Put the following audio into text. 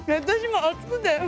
私も熱くて。